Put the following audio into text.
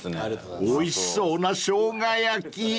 ［おいしそうなしょうが焼き］